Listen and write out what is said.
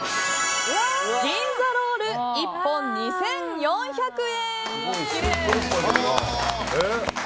銀座ロール、１本２４００円。